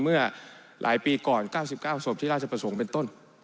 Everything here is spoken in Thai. เมื่อหลายปีก่อน๙๙ศพที่ราชประสงค์เป็นต้น